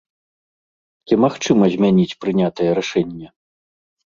Ці магчыма змяніць прынятае рашэнне?